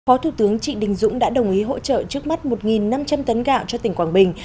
phó thủ tướng trị đình dũng đã đồng ý hỗ trợ trước mắt một năm trăm linh tấn gạo cho tỉnh quảng bình